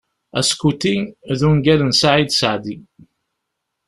"Askuti" d ungal n Saɛid Seɛdi.